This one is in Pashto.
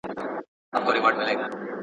صدقات د الله د رضا وسیله ده.